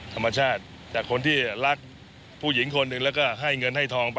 ธรรมชาติจากคนที่รักผู้หญิงคนหนึ่งแล้วก็ให้เงินให้ทองไป